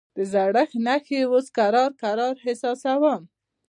د زړښت نښې اوس کرار کرار احساسوم.